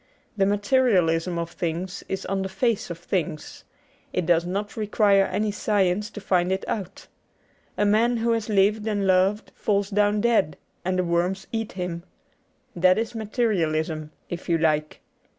The materialism of things is on the face of things : it does not require any science to find it out. A man who has lived and loved falls down dead and the worms eat him. That is Materialism, if you like.